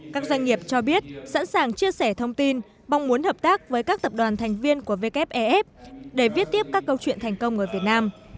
các doanh nghiệp cho biết sẵn sàng chia sẻ thông tin mong muốn hợp tác với các tập đoàn thành viên của wef để viết tiếp các câu chuyện thành công ở việt nam